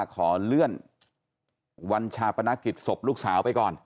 ขอเลื่อนวันชาปนกิจศพลูกสาวไปก่อน